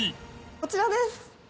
こちらです